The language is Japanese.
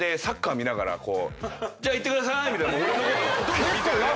「じゃあ行ってください」みたいな俺のことほとんど見てない。